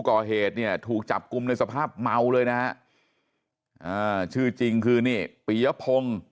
ก่อเหตุเนี่ยถูกจับกลุ่มในสภาพเมาเลยนะฮะอ่าชื่อจริงคือนี่ปียพงศ์